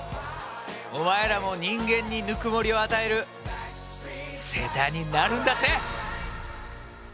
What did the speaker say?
お前らも人間にぬくもりを与えるセーターになるんだぜ！